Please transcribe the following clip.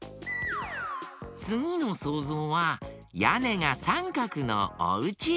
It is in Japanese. つぎのそうぞうはやねがサンカクのおうち。